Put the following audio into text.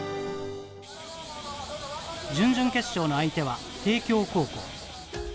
準々決勝の相手は帝京高校。